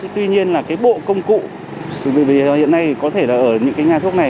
tuy nhiên là cái bộ công cụ vì hiện nay có thể là ở những nhà thuốc này